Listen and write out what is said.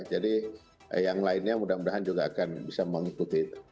jadi yang lainnya mudah mudahan juga akan bisa mengikuti itu